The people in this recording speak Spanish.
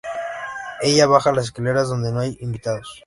Ella baja las escaleras, donde no hay invitados.